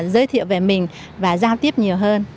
giới thiệu về mình và giao tiếp nhiều hơn